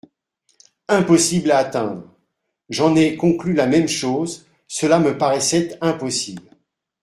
Impossible à atteindre ! J’en ai conclu la même chose, cela me paraissait impossible.